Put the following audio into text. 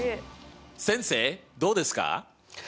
先生どうですか？